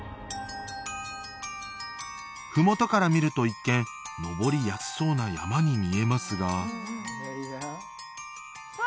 麓から見ると一見登りやすそうな山に見えますがわ！